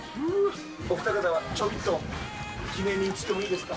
お二方はちょびっと記念に写ってもいいですか。